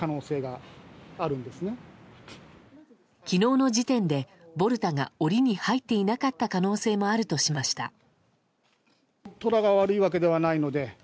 昨日の時点でボルタが檻に入っていなかった可能性もあるとしました。